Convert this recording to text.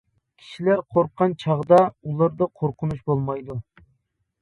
كىشىلەر قورققان چاغدا ئۇلاردا قورقۇنچ بولمايدۇ.